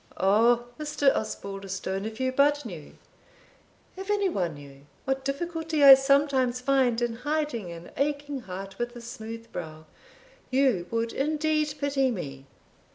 "O, Mr. Osbaldistone, if you but knew if any one knew, what difficulty I sometimes find in hiding an aching heart with a smooth brow, you would indeed pity me.